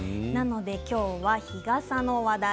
今日は日傘の話題